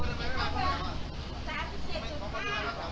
อุ๊ยรับทราบรับทราบ